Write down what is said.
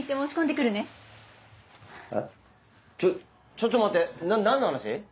ちょっと待って何の話？